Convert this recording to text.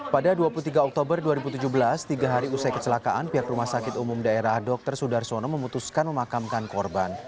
pada dua puluh tiga oktober dua ribu tujuh belas tiga hari usai kecelakaan pihak rumah sakit umum daerah dr sudarsono memutuskan memakamkan korban